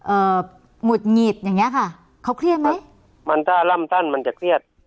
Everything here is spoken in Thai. หงุดหงิดอย่างเงี้ยค่ะเขาเครียดไหมมันถ้าร่ำสั้นมันจะเครียด